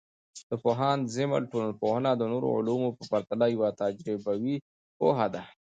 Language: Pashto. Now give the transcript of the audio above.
د پوهاند زیمل ټولنپوهنه د نورو علومو په پرتله یوه تجربوي پوهه ده.